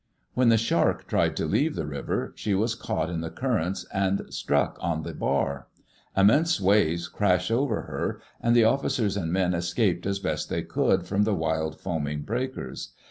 When the Shark tried to leave the river, she was caught in the currents and struck on the bar. Immense waves crashed over her, and the officers and men escaped as best they could from the wild, foaming breakers.